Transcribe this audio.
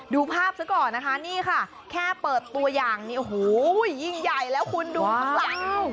ดูภาพซะก่อนนะคะนี่ค่ะแค่เปิดตัวอย่างนี้โอ้โหยิ่งใหญ่แล้วคุณดูข้างหลัง